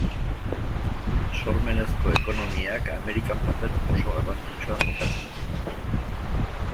Sormenezko ekonomiak Amerikan paper oso garrantzitsua jokatzen du.